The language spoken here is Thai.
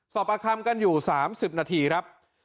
ประคัมกันอยู่๓๐นาทีครับ